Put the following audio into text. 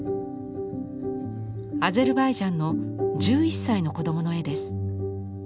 アゼルバイジャンの１１歳の子どもの絵です。